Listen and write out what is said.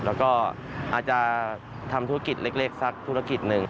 แล้วก็อาจจะทำธุรกิจเล็กสักธุรกิจหนึ่ง